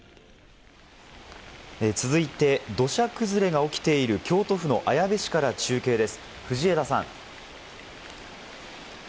続いて土砂崩れが起きている京都府の綾部市から中継です、藤枝さん。